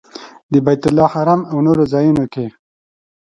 د بیت الله حرم او نورو ځایونو کې.